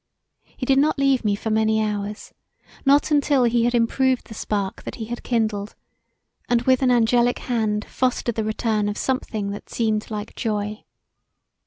He did not leave me for many hours; not until he had improved the spark that he had kindled, and with an angelic hand fostered the return of somthing that seemed like joy.